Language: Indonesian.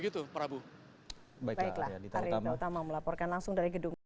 terlebih dahulu begitu prabu